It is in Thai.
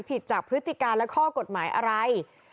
ผิดจากพฤติการและข้อกฎหมายอะไร